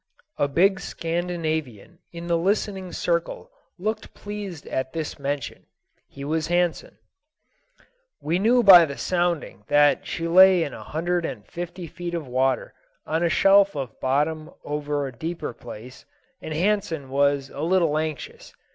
A big Scandinavian in the listening circle looked pleased at this mention. He was Hansen. "We knew by the sounding that she lay in a hundred and fifty feet of water on a shelf of bottom over a deeper place, and Hansen was a little anxious.